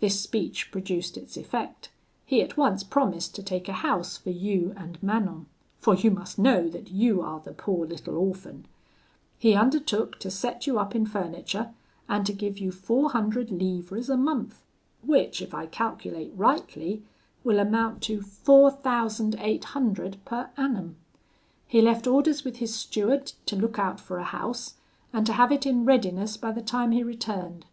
This speech produced its effect, he at once promised to take a house for you and Manon, for you must know that you are the poor little orphan. He undertook to set you up in furniture, and to give you four hundred livres a month, which if I calculate rightly, will amount to four thousand eight hundred per annum. He left orders with his steward to look out for a house, and to have it in readiness by the time he returned.